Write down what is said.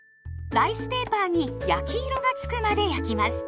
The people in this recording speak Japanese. ライスペーパーに焼き色がつくまで焼きます。